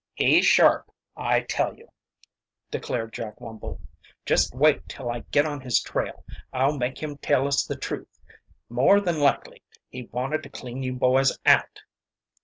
"He's sharp, I tell you," declared Jack Wumble. "Just wait till I get on his trail, I'll make him tell us the truth. More than likely he wanted to clean you boys out."